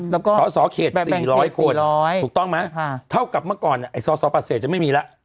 แล้วก็สสเขต๔๐๐คนถูกต้องไหมเท่ากับเมื่อก่อนสอสอปฏิเสธจะไม่มีแล้ว